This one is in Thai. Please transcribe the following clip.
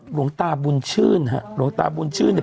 หลวงตาบุญชื่นฮะหลวงตาบุญชื่นเนี่ย